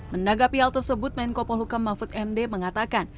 mendaga pihal tersebut menko polhukam mahfud md mengatakan